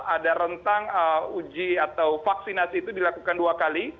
ada rentang uji atau vaksinasi itu dilakukan dua kali